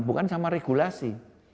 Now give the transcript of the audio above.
bukan sama regulasi